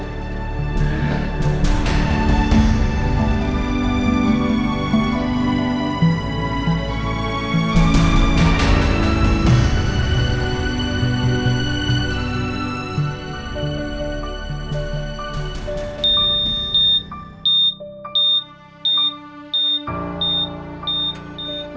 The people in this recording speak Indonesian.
masya allah pak